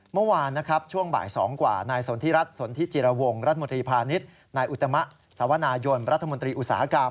เมื่อวานนะครับช่วงบ่าย๒กว่านายสนทิรัฐสนทิจิรวงรัฐมนตรีพาณิชย์นายอุตมะสวนายนรัฐมนตรีอุตสาหกรรม